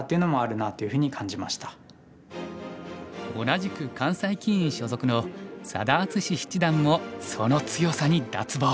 同じく関西棋院所属の佐田篤史七段もその強さに脱帽。